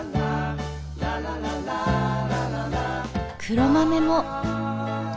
黒豆も。